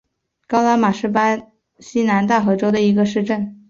高拉马是巴西南大河州的一个市镇。